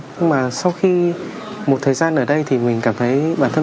nhưng mà sau khi một thời gian ở đây thì mình cảm thấy rất là tốt